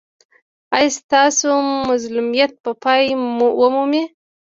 ایا ستاسو مظلومیت به پای ومومي؟